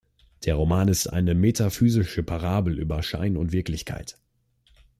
Der Roman ist eine metaphysische Parabel über Schein und Wirklichkeit.